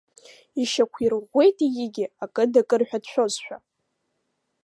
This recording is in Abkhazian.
Ишьақәирӷәӷәеит егьигьы, акы дакыр ҳәа дшәозшәа.